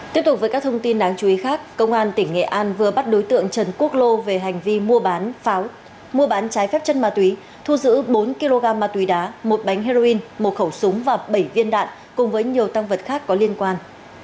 tiếp tục với các thông tin đáng chú ý khác công an tỉnh nghệ an vừa bắt đối tượng trần quốc lô về hành vi mua bán trái phép chất ma túy thu giữ bốn kg ma túy đá một bánh heroin một khẩu súng và bảy viên đạn cùng với nhiều tăng vật khác có liên quan